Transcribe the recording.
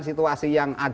situasi yang ada